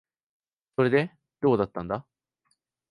それで、どうだったんだ。